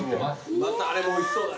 またあれもおいしそうだね。